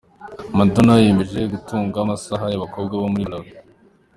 Madonna yemeye gutunga amahasa y'abakobwa bo muri Malawi.